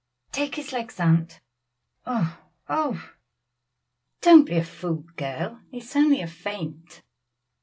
"Take his legs, aunt; oh! oh! oh!" "Don't be a fool, girl, it is only a faint."